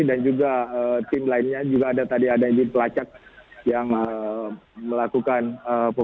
dan juga tim lainnya juga ada tadi ada ini pelacak yang melakukan pembedahan